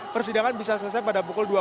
persidangan bisa selesai pada bulan